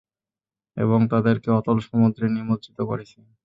এবং তাদেরকে অতল সমুদ্রে নিমজ্জিত করেছি।